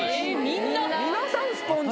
みんな皆さんスポンジ？